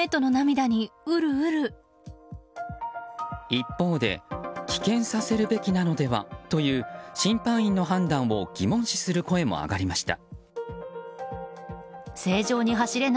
一方で棄権させるべきなのではという審判員の判断を疑問視する声も上がりました。